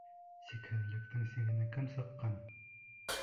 Сикһеҙлектең сигенә кем сыҡҡан!